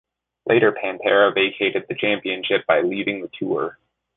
Later Pantera vacated the championship by leaving the tour.